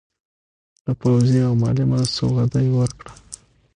د پوځي او مالي مرستو وعده یې ورکړه.